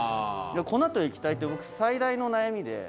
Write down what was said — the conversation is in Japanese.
粉と液体って最大の悩みで。